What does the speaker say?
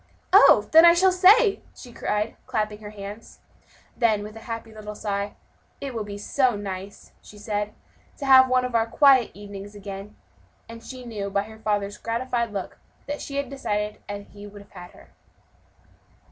"Oh, then I shall stay!" she cried, clapping her hands. Then, with a happy little sigh, "It will be so nice," she said, "to have one of our quiet evenings again." And she knew, by her father's gratified look, that she had decided as he would have had her.